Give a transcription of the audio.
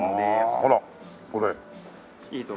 ほらこれ。